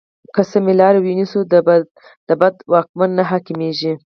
که سمې لارې ونیسو، بد واکمن نه حاکمېږي.